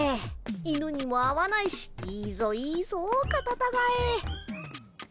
犬にも会わないしいいぞいいぞカタタガエ。